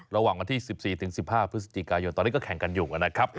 ระหว่างวันที่๑๔๑๕พฤศจิกายนตอนนี้ก็แข่งกันอยู่นะครับ